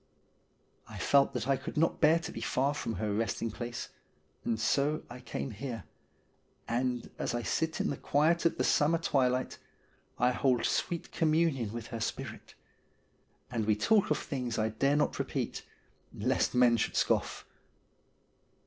I felt that I could not bear to be far from her resting place, and so I came here, and as I sit in the quiet of the summer twilight, I hold sweet communion with her spirit ; and we talk of things I dare not repeat, lest men should scoff.